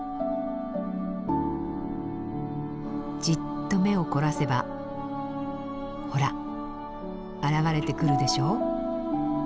じっと目を凝らせばほら現れてくるでしょう？